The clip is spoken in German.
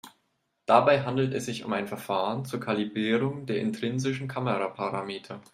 Dabei handelt es sich um ein Verfahren zur Kalibrierung der intrinsischen Kameraparameter.